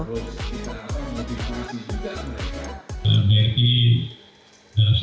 saya itu yang berharapan untuk diberikan informasi juga